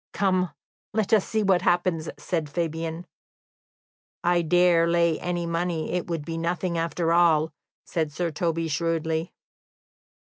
"Come, let us see what happens," said Fabian. "I dare lay any money, it will be nothing, after all," said Sir Toby shrewdly.